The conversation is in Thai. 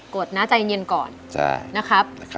ดนะใจเย็นก่อนนะครับ